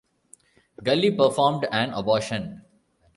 Gully performed an abortion.